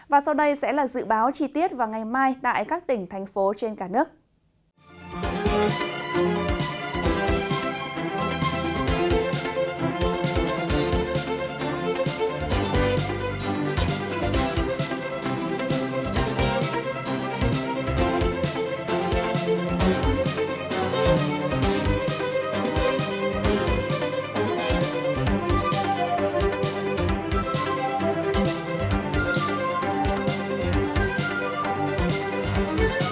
và sau đây sẽ là dự báo chi tiết vào ngày mai tại các tỉnh thành phố trên cả nước